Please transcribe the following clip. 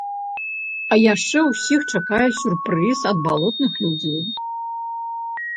А яшчэ ўсіх чакае сюрпрыз ад балотных людзей.